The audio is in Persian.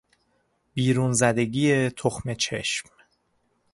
بیرون زدگی تخم چشم